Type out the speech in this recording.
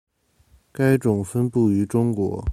该种分布于中国。